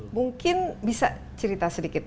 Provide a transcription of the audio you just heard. mungkin bisa cerita sedikit